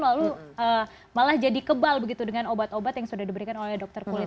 lalu malah jadi kebal begitu dengan obat obat yang sudah diberikan oleh dokter kulit